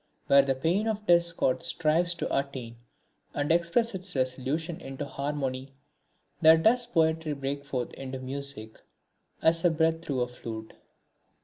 Where the pain of discord strives to attain and express its resolution into harmony, there does poetry break forth into music, as breath through a flute.